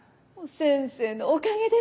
先生のおかげです。